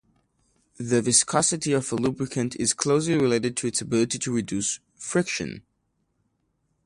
The viscosity of a lubricant is closely related to its ability to reduce friction.